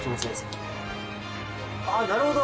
あぁなるほど！